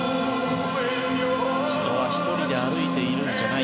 人は１人で歩いているんじゃない。